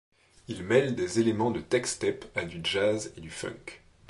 Il mêle des éléments de techstep à du jazz et du funk.